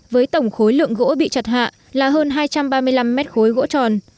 với tổng khối lượng gỗ bị chặt hạ là hơn hai trăm ba mươi năm mét khối gỗ tròn